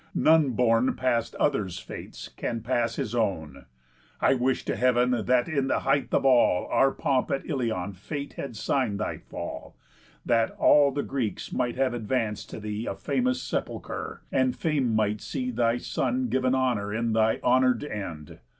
None borne past others' Fates can pass his own. I wish to heav'n that in the height of all Our pomp at Ilion Fate had sign'd thy fall, That all the Greeks might have advanc'd to thee A famous sepulchre, and Fame might see Thy son giv'n honour in thy honour'd end!